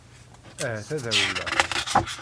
Ahat ad rewleɣ.